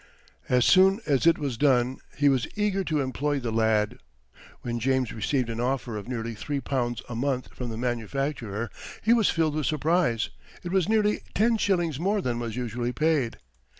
As soon as it was done, he was eager to employ the lad. When James received an offer of nearly three pounds a month from the manufacturer, he was filled with surprise. It was nearly ten shillings more than was usually paid.